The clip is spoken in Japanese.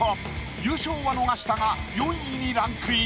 優勝は逃したが４位にランクイン。